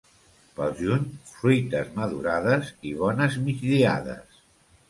Pel juny, fruites madurades i bones migdiades.